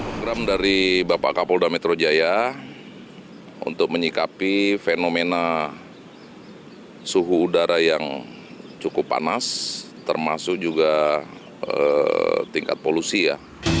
program dari bapak kapolda metro jaya untuk menyikapi fenomena suhu udara yang cukup panas termasuk juga tingkat polusi ya